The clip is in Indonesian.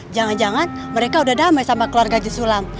jangan jangan mereka udah damai sama keluarga jus sulam